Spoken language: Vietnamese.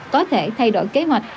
có thể thay đổi kế hoạch